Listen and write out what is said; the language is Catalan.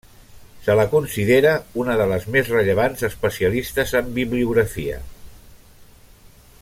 Se la considera una de les més rellevants especialistes en Bibliografia.